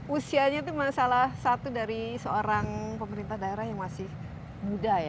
usianya itu salah satu dari seorang pemerintah daerah yang masih muda ya